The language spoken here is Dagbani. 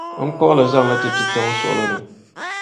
n kpuɣ’ li n-zaŋ li ti pi tiŋa n suɣili ni.